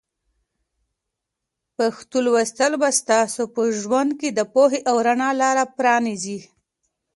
پښتو لوستل به ستاسو په ژوند کې د پوهې او رڼا لاره پرانیزي.